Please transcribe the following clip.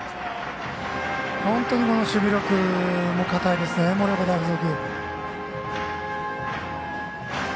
本当に守備力も堅いです盛岡大付属。